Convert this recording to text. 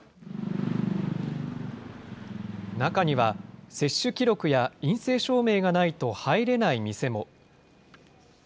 中には接種記録や、陰性証明がないと入れない店も。